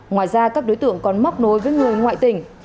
ngoài ra các đối tượng còn móc nối với người ngoại tỉnh